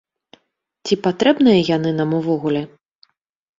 Ці патрэбныя яны нам увогуле?